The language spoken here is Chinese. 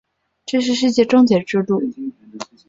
这是世界终结之路。